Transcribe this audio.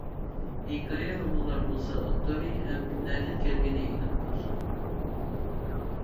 ھېكايە رومانلار بولسا ئاپتورى ھەم نەدىن كەلگىنى ئېنىق بولسۇن!